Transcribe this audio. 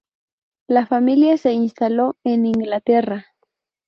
La familia se instaló en Inglaterra.